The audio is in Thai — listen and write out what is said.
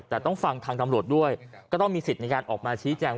แต่ต้องฟังทางตำรวจด้วยก็ต้องมีสิทธิ์ในการออกมาชี้แจง